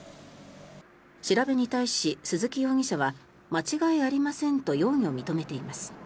調べに対し鈴木容疑者は間違いありませんと容疑を認めています。